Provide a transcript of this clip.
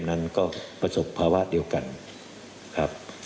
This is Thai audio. นั้นก็ประสบภาวะเดียวกันครับ